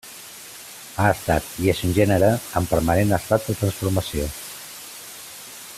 Ha estat i és un gènere en permanent estat de transformació.